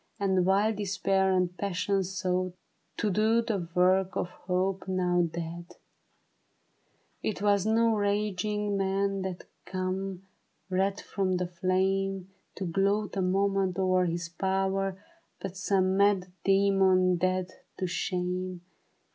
And wild despair and passion sought To do the work of hope, now d2ad, It was no raging man that came Red from the flame To gloat a moment o'er his power. But some mad demon dead to shame.